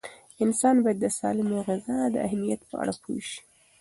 انسان باید د سالمې غذا د اهمیت په اړه پوه شي.